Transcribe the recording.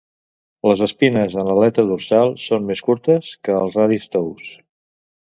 Les espines en l'aleta dorsal són més curtes que els radis tous.